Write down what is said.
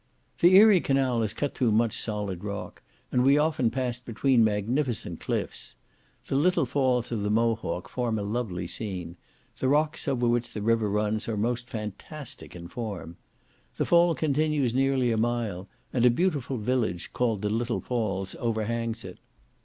The Erie canal has cut through much solid rock, and we often passed between magnificent cliffs. The little falls of the Mohawk form a lovely scene; the rocks over which the river runs are most fantastic in form. The fall continues nearly a mile, and a beautiful village, called the Little Falls, overhangs it.